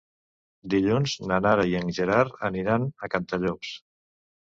Dilluns na Nara i en Gerard aniran a Cantallops.